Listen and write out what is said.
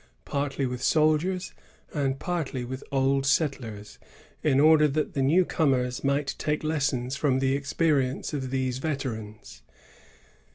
^rt^ ^th soldie™, and partly with old settlers, in order that the new comers might take lessons from the experience of these veterans.